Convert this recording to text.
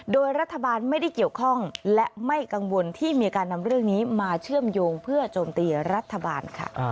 โดยรัฐบาลไม่ได้เกี่ยวข้องและไม่กังวลที่มีการนำเรื่องนี้มาเชื่อมโยงเพื่อโจมตีรัฐบาลค่ะ